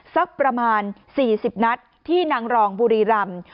สักประมาณ๔๐นัดที่นางรองบุรีรำ